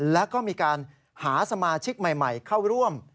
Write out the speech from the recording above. แล้วก็มีการหาสมาชิกใหม่เข้าร่วม